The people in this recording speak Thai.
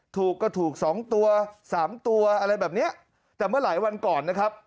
ถูกก็ถูกสองตัวสามตัวอะไรแบบเนี้ยแต่เมื่อหลายวันก่อนนะครับ